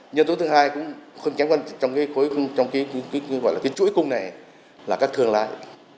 nhân tố thứ hai trong cái chuỗi cung này là các thương lái